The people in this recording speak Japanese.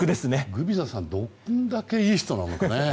グビザさんどんだけいい人なのかね。